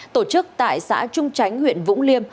tổ chức tại xã trung chánh huyện vũng liêm